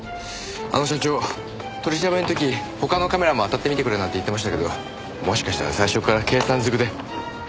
あの社長取り調べの時他のカメラもあたってみてくれなんて言ってましたけどもしかしたら最初から計算尽くで。